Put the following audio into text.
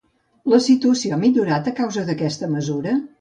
La situació ha millorat, a causa d'aquesta mesura?